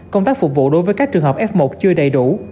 công tác phục vụ đối với các trường hợp f một chưa đầy đủ